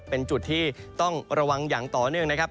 เป็นจุดที่ต้องระวังอย่างต่อเนื่องนะครับ